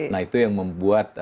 nah itu yang membuat